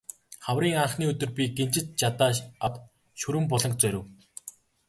Хаврын анхны өдөр би гинжит жадаа аваад Шүрэн буланг зорив.